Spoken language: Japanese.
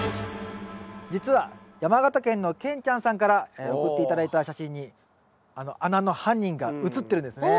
実は山形県のケンちゃんさんから送って頂いた写真にあの穴の犯人が写ってるんですね。